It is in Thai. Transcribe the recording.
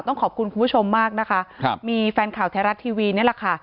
ต้องขอบคุณคุณผู้ชมมากนะคะครับมีแฟนข่าวไทยรัฐทีวีนี่แหละค่ะ